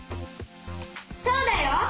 そうだよ！